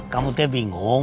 kamu teh bingung